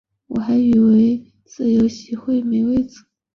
我还以为自由席会没位子